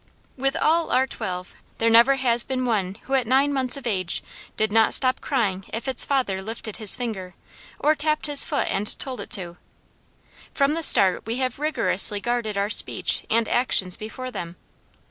With all our twelve there never has been one who at nine months of age did not stop crying if its father lifted his finger, or tapped his foot and told it to. From the start we have rigorously guarded our speech and actions before them.